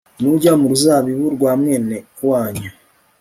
Nujya mu ruzabibu rwa mwene wanyu